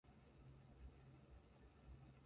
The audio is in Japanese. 映画を観たり音楽を聴いたり、旅行をするのが好きです